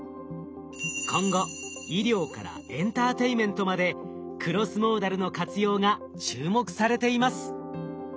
今後医療からエンターテインメントまでクロスモーダルの活用が注目されています。